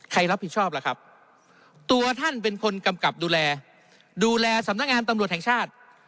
ใครรับผิดชอบล่ะครับตัวท่านเป็นคนกำกับดูแลดูแลสำนักงานตำรวจแห่งชาติ